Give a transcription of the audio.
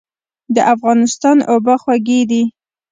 د افغانستان اوبه خوږې دي.